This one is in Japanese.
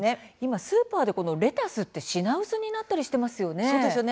スーパーで今レタスは品薄になっていたりしますよね。